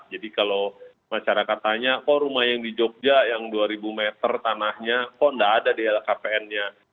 jadi kalau masyarakat tanya kok rumah yang di jogja yang dua ribu meter tanahnya kok nggak ada di lkpn nya